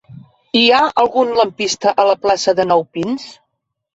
Hi ha algun lampista a la plaça de Nou Pins?